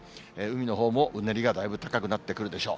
海のほうもうねりがだいぶ高くなってくるでしょう。